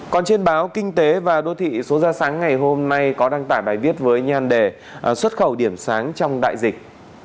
còn trên báo kinh tế và đô thị số ra sáng ngày hôm nay có đăng tải bài viết với nhan đề xuất khẩu điểm sáng trong đại dịch